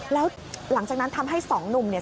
แล้วหลังจากนั้นทำให้สองหนุ่มเนี่ย